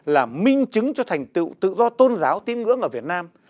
là minh chứng cho thành tựu tự do tôn giáo tín ngưỡng ở việt nam